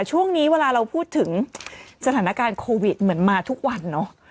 ช่วงนี้เวลาเราพูดถึงสถานการณ์โควิดเหมือนมาทุกวันเนอะ